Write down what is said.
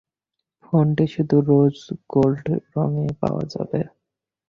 ফোনটি শুধু rose gold রঙে পাওয়া যাবে।